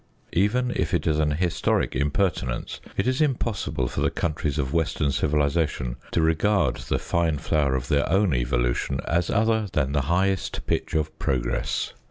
Even if it is an historic impertinence, it is impossible for the countries of western civilization to regard the fine flower of their own evolu tion as other than the highest pitch of progress.